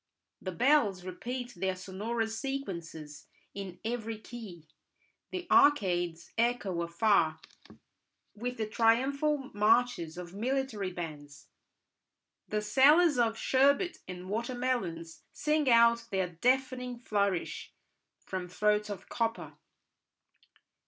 The bells repeat their sonorous sequences in every key; the arcades echo afar with the triumphal marches of military bands; the sellers of sherbet and water melons sing out their deafening flourish from throats of copper.